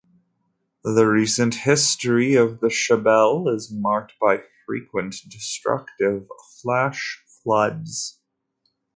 The recent history of the Shabelle is marked by frequent destructive flash floods.